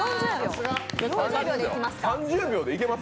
３０秒でいけます？